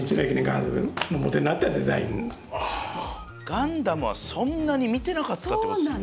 ガンダムはそんなに見てなかったってことですよね。